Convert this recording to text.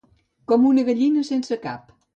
Com una gallina sense cap.